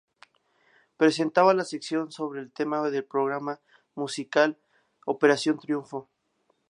Presentaba la sección sobre el programa musical "Operación Triunfo".